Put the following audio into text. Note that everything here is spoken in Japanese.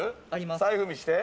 財布、見せて。